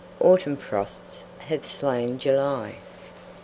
Autumn frosts have slain July.